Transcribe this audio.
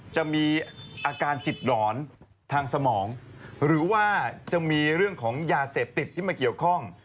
จะมีอาการจิตหลอนทางสมองหรือว่าจะมีเรื่องของยาเสพติดที่มาเกี่ยวข้อง